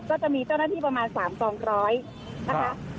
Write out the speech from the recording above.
ก็จะมีเจ้านักที่ประมาณสามสองร้อยนะคะ